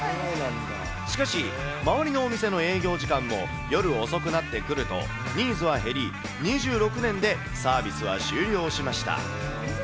しかし、周りのお店の営業時間も夜遅くなってくるとニーズは減り、２６年でサービスは終了しました。